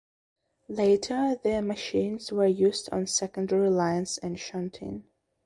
Later the machines were used on secondary lines and shunting.